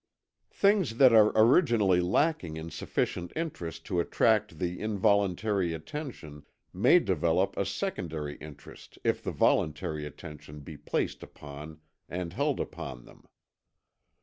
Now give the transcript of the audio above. Things that are originally lacking in sufficient interest to attract the involuntary attention may develop a secondary interest if the voluntary attention be placed upon and held upon them.